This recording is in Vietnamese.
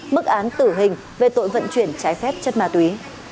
mức án tử hình về tội vận chuyển trái phép chất ma túy